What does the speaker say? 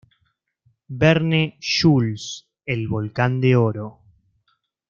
Verne, Jules: "El Volcán de Oro".